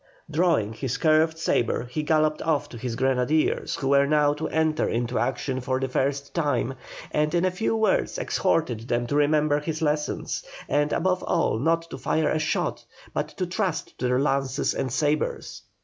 Drawing his curved sabre he galloped off to his grenadiers, who were now to enter into action for the first time, and in a few words exhorted them to remember his lessons, and, above all, not to fire a shot, but to trust to their lances and sabres.